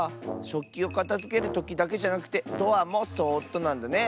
しょっきをかたづけるときだけじゃなくてドアもそっとなんだね。